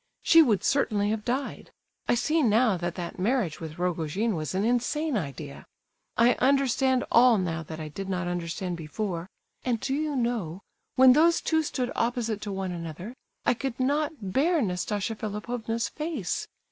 She would certainly have died. I see now that that marriage with Rogojin was an insane idea. I understand all now that I did not understand before; and, do you know, when those two stood opposite to one another, I could not bear Nastasia Philipovna's face!